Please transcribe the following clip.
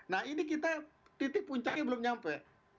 nah ini kita titik puncaknya belum nyampe